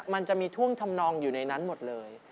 มันจะมีท่วงทำนองอยู่ในนั้นหมดเลย